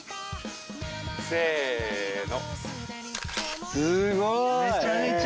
せの。